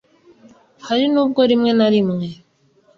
hari n'ubwo rimwe na rimwe